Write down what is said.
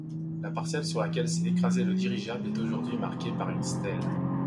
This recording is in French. La parcelle sur laquelle s'est écrasé le dirigeable est aujourd'hui marquée par une stèle.